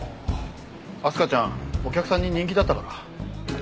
明日香ちゃんお客さんに人気だったから。